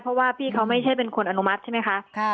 เพราะว่าพี่เขาไม่ใช่เป็นคนอนุมัติใช่ไหมคะ